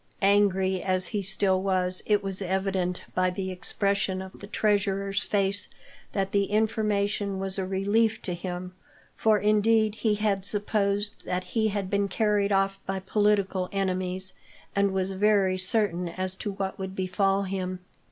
Angry as he still was, it was evident, by the expression of the treasurer's face, that the information was a relief to him, for indeed he had supposed that he had been carried off by political enemies, and was very uncertain as to what would befall him.